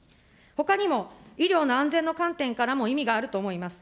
ほかにも医療の安全の観点からも意味があると思います。